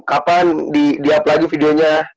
apaan di up lagi videonya